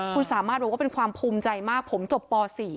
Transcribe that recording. คุณสามารถบอกว่าเป็นความภูมิใจมากผมจบป๔